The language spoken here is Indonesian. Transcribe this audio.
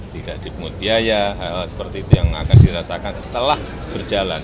tidak dipungut biaya hal hal seperti itu yang akan dirasakan setelah berjalan